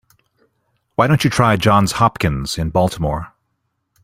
Why don't you try Johns Hopkins in Baltimore?